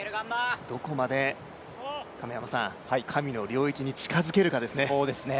どこまで、神の領域に近づけるかですね。